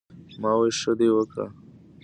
" ـ ما وې " ښۀ دې وکړۀ " ـ